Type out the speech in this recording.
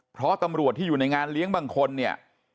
เพราะตำรวจที่อยู่ในงานเลี้ยงบางคนเนี่ย